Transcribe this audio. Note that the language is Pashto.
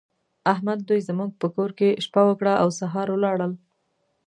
احمد دوی زموږ په کور کې شپه وکړه او سهار ولاړل.